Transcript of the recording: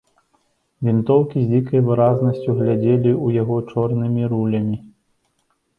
Вінтоўкі з дзікай выразнасцю глядзелі ў яго чорнымі рулямі.